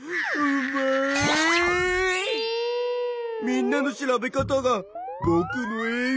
みんなの調べ方がぼくの栄養だよ。